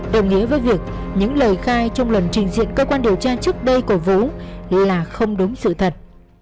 đồng nghĩa với việc những lời khai trong lần trình diện cơ quan điều tra trước đây của vũ là không đúng sự thật